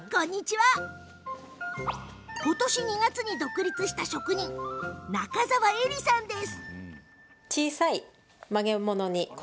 今年２月に独立した職人仲澤恵梨さんです。